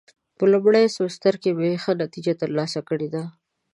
په لومړي سمستر کې مې ښه نتیجه ترلاسه کړې ده.